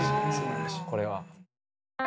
これは。